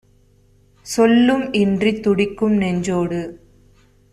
சொல்லும் இன்றித் துடிக்கும் நெஞ்சோடு